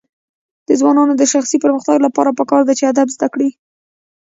د ځوانانو د شخصي پرمختګ لپاره پکار ده چې ادب زده کړي.